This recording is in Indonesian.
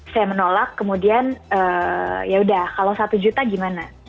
saya menolak kemudian yaudah kalau satu juta gimana